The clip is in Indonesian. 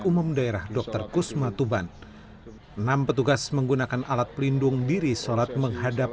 umum daerah dokter kusma tuban enam petugas menggunakan alat pelindung diri sholat menghadap